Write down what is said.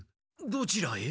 どちらへ？